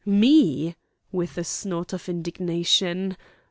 "Me!" with a snort of indignation.